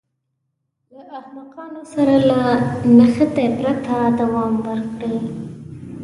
له احمقانو سره له نښتې پرته دوام ورکړي.